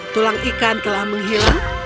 tulang ikan telah menghilang